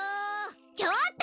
ちょっと！